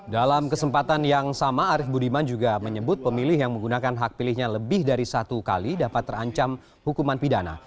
dalam kesempatan yang sama arief budiman juga menyebut pemilih yang menggunakan hak pilihnya lebih dari satu kali dapat terancam hukuman pidana